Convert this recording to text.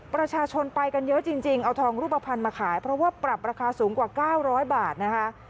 ประชาชนไปกันเยอะจริงเอาทองรูปภัณฑ์มาขายเพราะว่าปรับราคาสูงกว่า๙๐๐บาทนะคะ